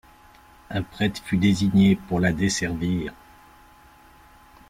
Un prêtre fut désigné pour la desservir.